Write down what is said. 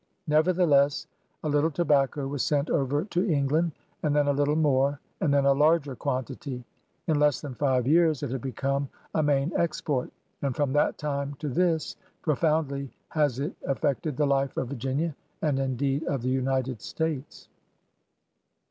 Nevertheless, a little tobacco was sent over to England, and then a little more, and then a larger quantity. In less than five years it had become a main export; and from that time to this profoundly has it affected the life of Virginia and, indeed, of the United States.